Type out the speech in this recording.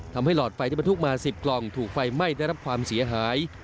หลอดไฟที่บรรทุกมา๑๐กล่องถูกไฟไหม้ได้รับความเสียหาย